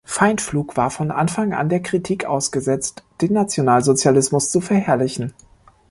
Feindflug war von Anfang an der Kritik ausgesetzt, den Nationalsozialismus zu verherrlichen.